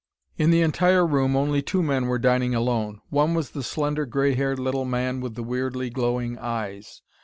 In the entire room only two men were dining alone. One was the slender gray haired little man with the weirdly glowing eyes.